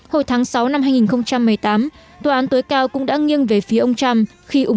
hồi tháng sáu năm hai nghìn một mươi tám tòa án tối cao cũng đã nghiêng về phía ông trump khi ủng